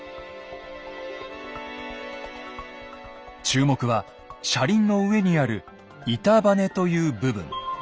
注目は車輪の上にある「板バネ」という部分。